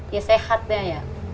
ya sehat deh ya